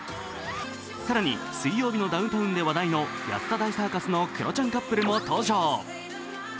更に、「水曜日のダウンタウン」で話題の安田大サーカスのクロちゃんカップルも登場。